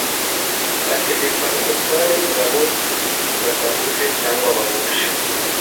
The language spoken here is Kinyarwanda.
bategekwa n'umutware w'ingabo badahuje cyangwa bahuje.